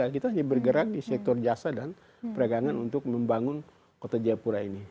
kita hanya bergerak di sektor jasa dan perdagangan untuk membangun kota jayapura ini